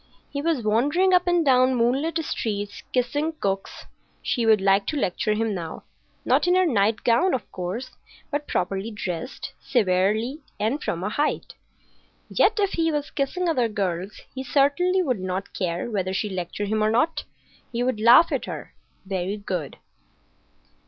He was wandering up and down moonlit streets, kissing cooks. She would like to lecture him now,—not in her nightgown, of course, but properly dressed, severely and from a height. Yet if he was kissing other girls he certainly would not care whether she lectured him or not. He would laugh at her. Very good.